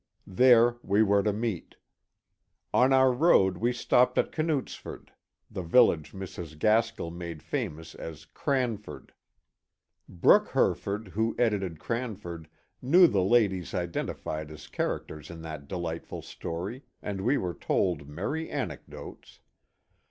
There we were to meet. On our road we stopped at Knutsford, the village Mrs. Gaskell made famous as '^ Cranford." Brooke THE JUBILEE SINGERS 297 Herford, who edited ^' Cranford," knew the ladies identified as characters in that delightful story, and we were told merry anecdotes.